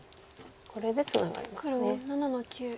これでツナがりますね。